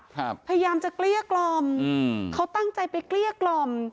พยายามจะเกลี้ยกล่อมอืมเขาตั้งใจไปเกลี้ยกล่อม